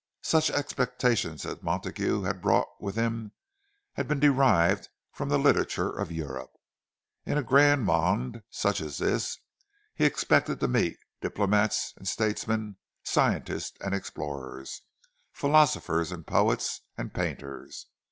Such expectations as Montague had brought with him had been derived from the literature of Europe; in a grand monde such as this, he expected to meet diplomats and statesmen, scientists and explorers, philosophers and poets and painters.